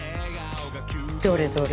どれどれ？